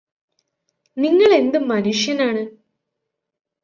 നിങ്ങളെന്ത് മനുഷ്യനാണ്